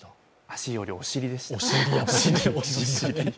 足よりお尻でした。